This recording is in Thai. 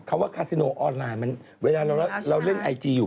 ว่าคาซิโนออนไลน์มันเวลาเราเล่นไอจีอยู่